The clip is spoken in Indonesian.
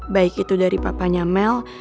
baik itu dari papanya mel